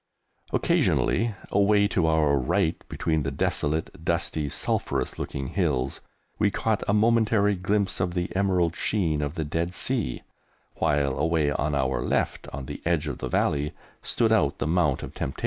Occasionally, away to our right, between the desolate, dusty, sulphurous looking hills, we caught a momentary glimpse of the emerald sheen of the Dead Sea, while away on our left on the edge of the valley, stood out the Mount of Temptation.